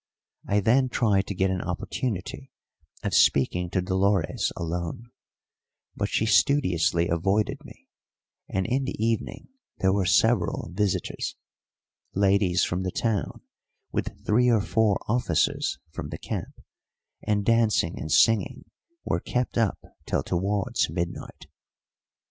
I then tried to get an opportunity of speaking to Dolores alone, but she studiously avoided me, and in the evening there were several visitors, ladies from the town with three or four officers from the camp, and dancing and singing were kept up till towards midnight.